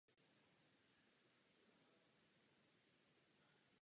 V patnácti letech se rozhodla pokračovat ve studiu v New Yorku obor herectví.